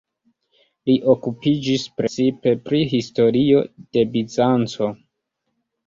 Li okupiĝis precipe pri historio de Bizanco.